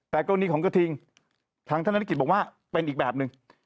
แต่ตรงนี้ของกระทิงทางธนธิกษ์บอกว่าเป็นอีกแบบนึง